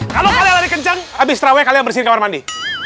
kalau kalian lari kenceng abis terawih kalian bersihkan kamar mandi